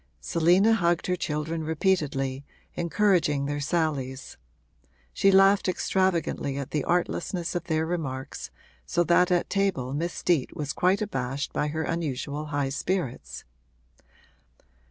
Selina hugged her children repeatedly, encouraging their sallies; she laughed extravagantly at the artlessness of their remarks, so that at table Miss Steet was quite abashed by her unusual high spirits.